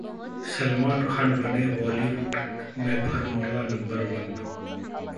सलमान खान बने बॉलीवुड में formula number one